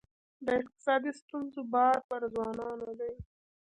د اقتصادي ستونزو بار پر ځوانانو دی.